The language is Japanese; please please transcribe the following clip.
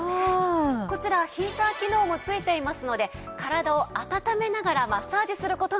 こちらヒーター機能も付いていますので体を温めながらマッサージする事ができるんです。